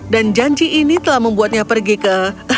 dan janji ini telah membuatnya pergi ke